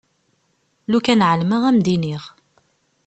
Lukan εelmeɣ ad m-d-iniɣ.